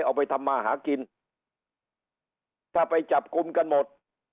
เอาไปทำมาหากินถ้าไปจับกลุ่มกันหมด